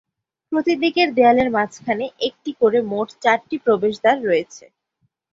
প্রতি দিকের দেয়ালের মাঝখানে একটি করে মোট চারটি প্রবেশদ্বার রয়েছে।